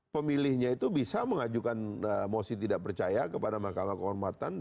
pemilihnya itu bisa mengajukan mosi tidak percaya kepada mahkamah kehormatan